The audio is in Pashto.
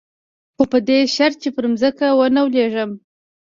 خو په دې شرط چې پر ځمکه ونه لېږم.